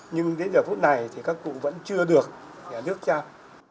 nhưng đến giờ phút này thì các cụ vẫn chưa được nhà nước trao